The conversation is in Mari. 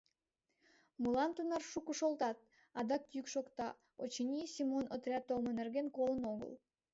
— Молан тунар шуко шолташ? — адак йӱк шокта: очыни, Семон отряд толмо нерген колын огыл.